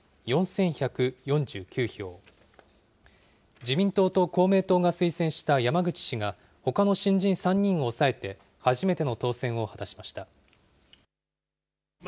自民党と公明党が推薦した山口氏が、ほかの新人３人を抑えて初めての当選を果たしました。